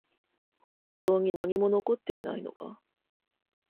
本当に何も残っていないのか？